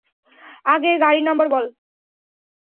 আগে গাড়ির নম্বর বল।